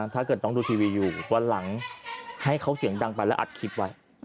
ถ้าเกิดต้องดูทีวีอยู่วันหลังให้เขาเสียงดังไปแล้วอัดคลิปไว้